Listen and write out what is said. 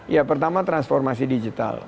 ya pertama transformasi digital